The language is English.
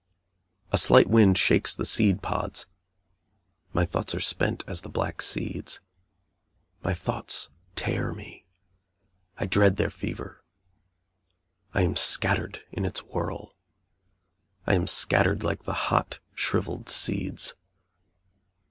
A slight wind shakes the seed pods my thoughts are spent as the black seeds. My thoughts tear me, I dread their fever. I am scattered in its whirl. I am scattered like the hot shrivelled seeds.